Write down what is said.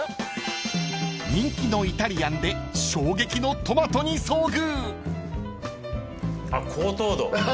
［人気のイタリアンで衝撃のトマトに遭遇］